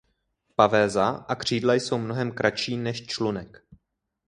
Pavéza a křídla jsou mnohem kratší než člunek.